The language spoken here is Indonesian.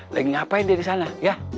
lagi ngapain dia di sana ya